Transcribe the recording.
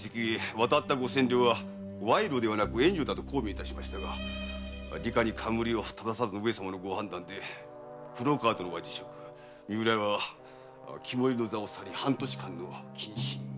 渡った五千両は賄賂ではなく援助だと抗弁いたしましたが「李下に冠を整さず」の上様のご判断で黒河殿は辞職三浦屋は肝煎の座を去り半年間の謹慎。